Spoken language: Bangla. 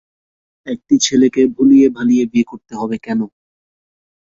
একটি ছেলেকে ভুলিয়ে-ভালিয়ে বিয়ে করতে হবে কেন?